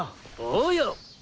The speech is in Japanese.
おうよ！